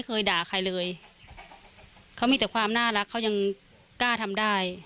เขามีแต่ความน่ารักเขายังกล้าทำได้